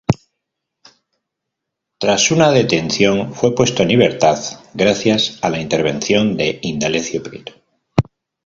Tras una detención fue puesto en libertad gracias a la intervención de Indalecio Prieto.